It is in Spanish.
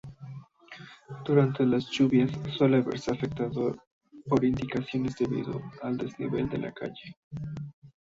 Durante las lluvias suele verse afectado por inundaciones debido al desnivel de la calle.